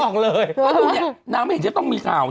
เธอดูนี่น้างไม่เห็นแค่ต้องมีข่าว